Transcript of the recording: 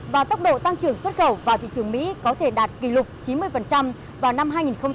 và tốc độ tăng trưởng xuất khẩu vào thị trường mỹ có thể đạt kỷ lục chín mươi vào năm hai nghìn hai mươi